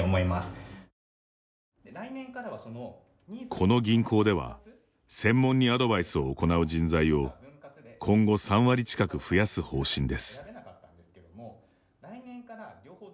この銀行では専門にアドバイスを行う人材を今後３割近く増やす方針です。